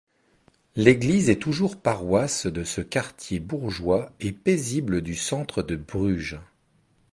L’église est toujours paroisse de ce quartier bourgeois et paisible du centre de Bruges.